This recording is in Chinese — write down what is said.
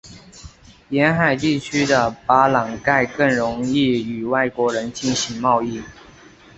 沿海地区的巴朗盖更容易与外国人进行贸易。